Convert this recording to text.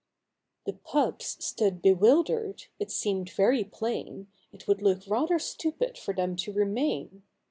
The Pups stood bewildered : it seemed very plain It would look rather stupid for them to remain.